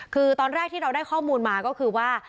คือตอนแรกที่เราได้ข้อมูลมาก็คือว่า